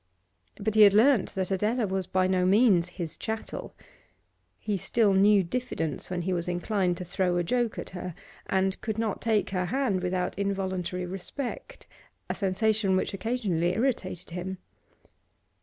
But he had learnt that Adela was by no means his chattel. He still knew diffidence when he was inclined to throw a joke at her, and could not take her hand without involuntary respect a sensation which occasionally irritated him.